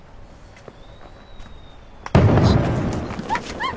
あっ！